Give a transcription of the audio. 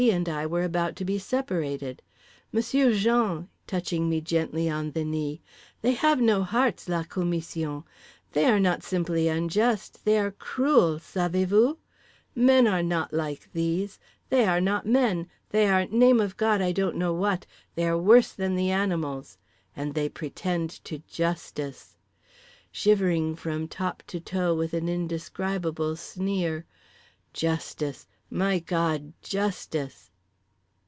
and I were about to be separated—"M'sieu' Jean" (touching me gently on the knee) "they have no hearts, la commission; they are not simply unjust, they are cruel, savez vous? Men are not like these; they are not men, they are Name of God I don't know what, they are worse than the animals; and they pretend to Justice" (shivering from top to toe with an indescribable sneer) "Justice! My God, Justice!"